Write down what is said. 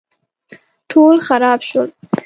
ټول خراب شول